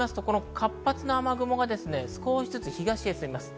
活発な雨雲が少しずつ東へ進みます。